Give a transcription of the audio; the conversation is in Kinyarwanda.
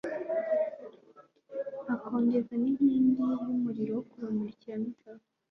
akongeza n’inkingi y’umuriro wo kubamurikira nijoro